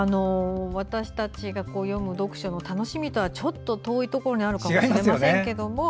私たちが読む読書の楽しみとはちょっと遠いところにあるのかもしれませんけども。